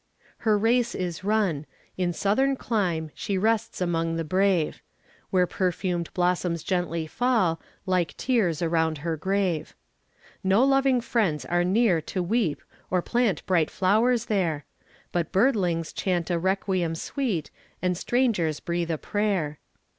Her race is run. In Southern clime She rests among the brave; Where perfumed blossoms gently fall, Like tears, around her grave. No loving friends are near to weep Or plant bright flowers there; But birdlings chant a requiem sweet, And strangers breathe a prayer.